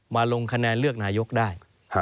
ลงคะแนนเลือกนายกได้